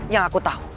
yang aku tahu